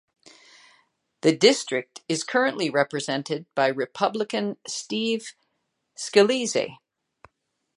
The district is currently represented by Republican Steve Scalise.